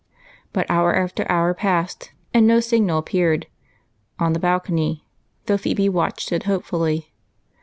But hour after hour passed, and no signal appeared on the balcony, though Phebe watched it hopefully.